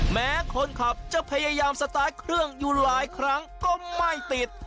แม้คนขับจะพยายามสตาร์ทเครื่องอยู่หลายครั้งก็ไม่ติด